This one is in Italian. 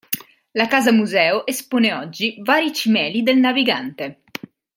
La casa museo espone oggi vari cimeli del navigante.